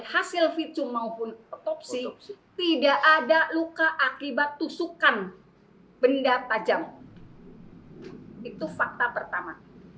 hasil visum maupun otopsi tidak ada luka akibat tusukan benda tajam itu fakta pertama